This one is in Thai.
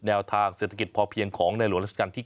ตามแนวทางศาสตร์พระราชาของในหลวงราชการที่๙